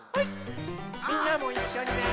みんなもいっしょにね。